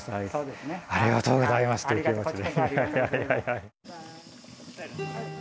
「ありがとうございます」という気持ちを。